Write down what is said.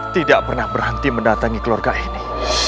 tidak pernah berhenti mendatangi keluarga ini